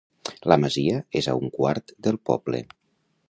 La masia és a un quart del poble.